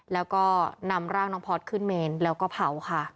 แล้วก็นำร่างน้องพอร์ตขึ้นเมนแล้วก็เผาค่ะ